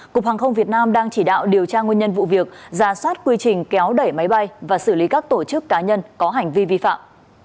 cục hàng không việt nam đang chỉ đạo điều tra nguyên nhân vụ việc ra soát quy trình kéo đẩy máy bay và xử lý các tổ chức cá nhân có hành vi vi phạm